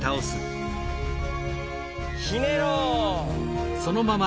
ひねろう。